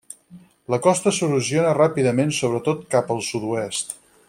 La costa s'erosiona ràpidament sobretot cap al sud-oest.